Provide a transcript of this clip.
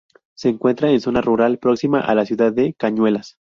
Se encuentra en zona rural, próxima a la ciudad de Cañuelas.